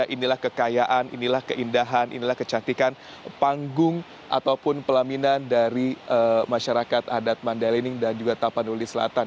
dan ini adalah kekayaan ini adalah keindahan ini adalah kecantikan panggung ataupun pelaminan dari masyarakat adat mandailing dan juga tak penulis selatan